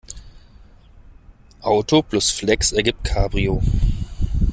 Auto plus Flex ergibt Cabrio.